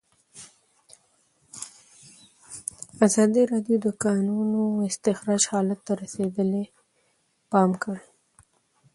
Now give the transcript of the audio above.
ازادي راډیو د د کانونو استخراج حالت ته رسېدلي پام کړی.